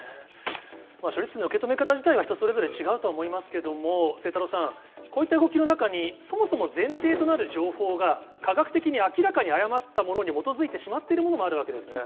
処理水の受け止め方自体は人それぞれ違うかと思いますけれども、晴太郎さん、こういった動きの中にそもそも前提となる情報が、科学的に明らかに誤ったものに基づいてしまっているものもあるわけですね。